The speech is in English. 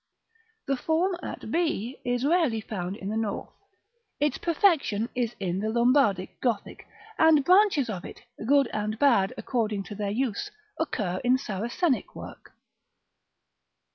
The form at b is rarely found in the north: its perfection is in the Lombardic Gothic; and branches of it, good and bad according to their use, occur in Saracenic work.